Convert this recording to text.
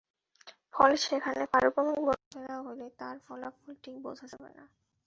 ফলে সেখানে পারমাণবিক বোমা ফেলা হলে তার ফলাফল ঠিক বোঝা যাবে না।